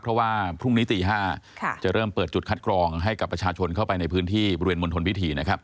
เพราะว่าพรุ่งนี้ตี๕จะเริ่มเปิดจุดคัดกรองให้กับประชาชนเข้าไปในพื้นที่บริเวณมณฑลพิธีนะครับ